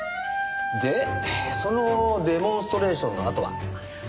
でそのデモンストレーションのあとは？